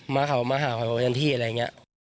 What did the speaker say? มาเขามาหาเขาอย่างที่อะไรอย่างนี้